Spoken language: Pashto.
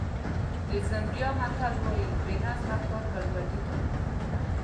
د زیمبیا متل وایي بې نظمه کار ګډوډي ده.